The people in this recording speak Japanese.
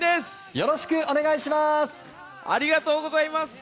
よろしくお願いします！